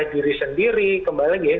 diri sendiri kembali lagi ya